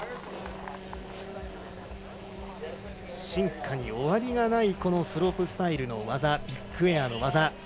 進化に終わりがないこのスロープスタイルの技ビッグエアの技。